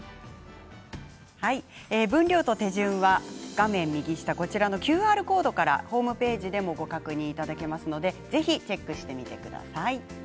分量と手順は画面右下、こちらのＱＲコードからホームページでもご確認いただけますのでぜひチェックしてみてください。